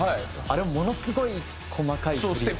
あれものすごい細かい振付を。